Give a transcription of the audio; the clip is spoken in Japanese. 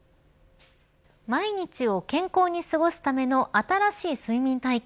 毎日を健康に過ごすための新しい睡眠体験